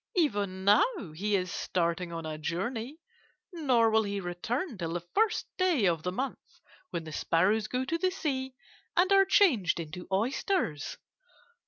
'Even now he is starting on a journey, nor will he return till the first day of the month when the sparrows go to the sea and are changed into oysters.